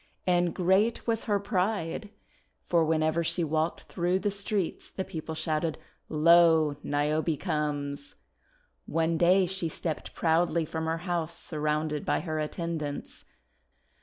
And great was her pride ! for whenever she walked through the streets the people shouted, "Lo! Niobe comes!' One day she stepped proudly from her house surrounded by her attendants.